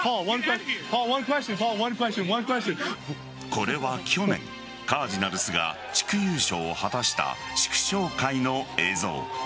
これは去年、カージナルスが地区優勝を果たした祝勝会の映像。